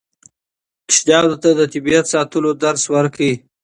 ماشومانو ته د طبیعت ساتلو درس ورکړئ.